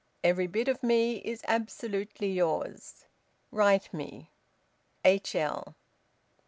Every bit of me is absolutely yours. Write me. H.L."